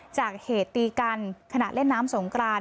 จากเหตุตีกันขณะเล่นน้ำสงกราน